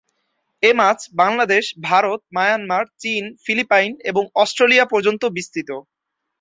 এই মাছ বাংলাদেশ, ভারত, মায়ানমার, চীন, ফিলিপাইন এবং অস্ট্রেলিয়া পর্যন্ত বিস্তৃত।